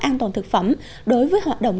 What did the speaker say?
an toàn thực phẩm đối với hoạt động